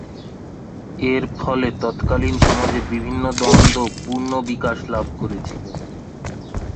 এর ফলে তৎকালীন সমাজে বিভিন্ন দ্বন্দ্ব পূর্ণ বিকাশ লাভ করেছিল।